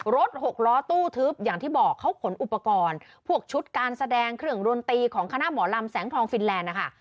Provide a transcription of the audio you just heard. หกล้อตู้ทึบอย่างที่บอกเขาขนอุปกรณ์พวกชุดการแสดงเครื่องดนตรีของคณะหมอลำแสงทองฟินแลนด์นะคะ